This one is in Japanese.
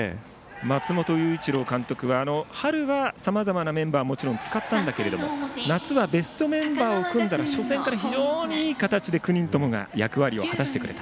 松本祐一郎監督は春はさまざまなメンバーをもちろん使ったんだけども、夏はベストメンバーを組んだら初戦からいい形で９人とも役割を果たしてくれた。